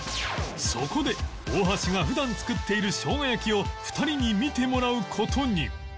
そこで大橋が普段作っている生姜焼きを２人に見てもらう事に